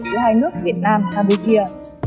của hai nước việt nam campuchia